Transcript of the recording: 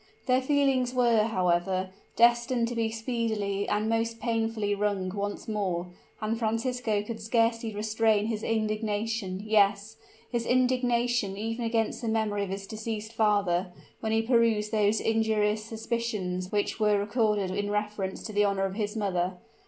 Their feelings were, however, destined to be speedily and most painfully wrung once more; and Francisco could scarcely restrain his indignation yes, his indignation even against the memory of his deceased father when he perused those injurious suspicions which were recorded in reference to the honor of his mother.